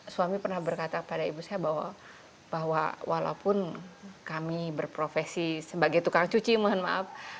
suami pernah berkata pada ibu saya bahwa walaupun kami berprofesi sebagai tukang cuci mohon maaf